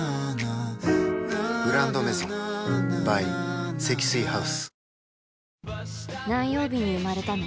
「グランドメゾン」ｂｙ 積水ハウス